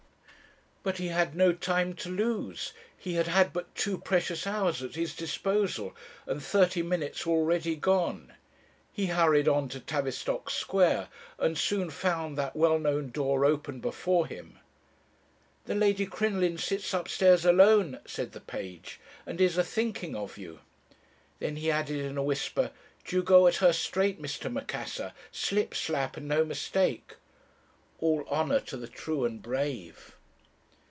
"But he had no time to lose. He had had but two precious hours at his disposal, and thirty minutes were already gone. He hurried on to Tavistock Square, and soon found that well known door open before him. "'The Lady Crinoline sits upstairs alone,' said the page, 'and is a thinking of you.' Then he added in a whisper, 'Do you go at her straight, Mr. Macassar; slip slap, and no mistake.' "All honour to the true and brave!